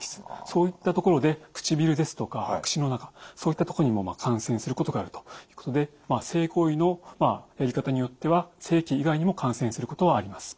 そういったところで唇ですとか口の中そういったとこにも感染することがあるということで性行為のやり方によっては性器以外にも感染することはあります。